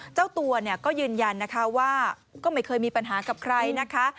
เจ้าตัวก็ยืนยันนะคะว่าก็ไม่เคยมีปัญหากับใครนะคะ